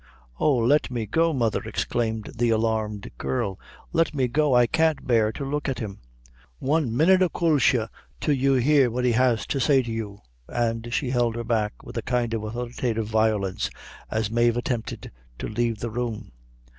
"Oh! let me go, mother," exclaimed the alarmed girl; "let me go; I can't bear to look at him." "One minute, acushla, till you hear what he has to say to you," and she held her back, with a kind of authoritative violence, as Mave attempted to leave the room.